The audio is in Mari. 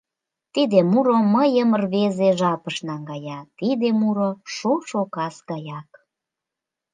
Тиде муро мыйым рвезе жапыш наҥгая, тиде муро — шошо кас гаяк!